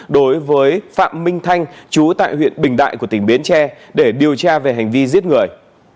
đối với phạm minh thanh chú tại huyện bình đại của tỉnh bến tre để điều tra về hành vi giết người